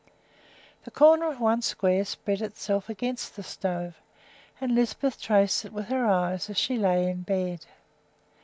The corner of one square spread itself against the stove, and Lisbeth traced it with her eyes as she lay in bed.